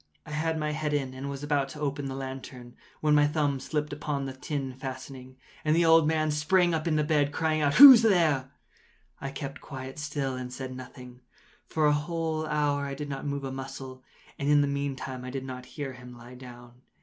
I had my head in, and was about to open the lantern, when my thumb slipped upon the tin fastening, and the old man sprang up in bed, crying out—“Who’s there?” I kept quite still and said nothing. For a whole hour I did not move a muscle, and in the meantime I did not hear him lie down.